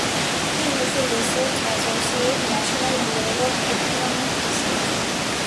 He is a Research Associate, National Bureau of Economic Research.